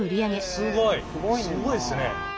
すごいっすね。